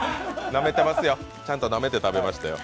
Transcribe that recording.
なめてますよ、ちゃんとなめて食べましたよ。